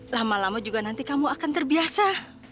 lama lama juga nanti kamu akan terbiasa